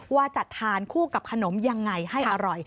ว่าจะทานคู่กับขนมยังไงให้อร่อย